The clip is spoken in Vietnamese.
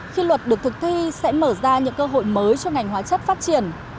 khi luật được thực thi sẽ mở ra những cơ hội mới cho ngành hóa chất phát triển